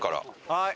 はい。